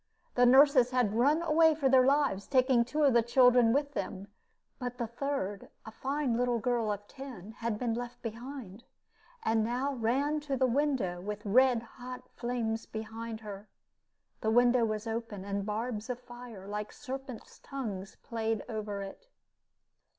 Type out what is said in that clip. The nurses had run away for their lives, taking two of the children with them; but the third, a fine little girl of ten, had been left behind, and now ran to the window with red hot flames behind her. The window was open, and barbs of fire, like serpents' tongues, played over it.